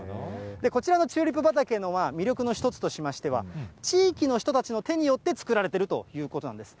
こちらのチューリップ畑の魅力の一つとしましては、地域の人たちの手によって作られているということなんです。